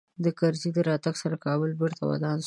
د کرزي د راتګ سره کابل بېرته ودان سو